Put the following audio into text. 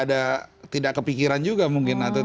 karena tidak kepikiran juga mungkin